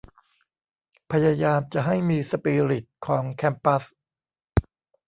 พยายามจะให้มีสปิริตของแคมปัส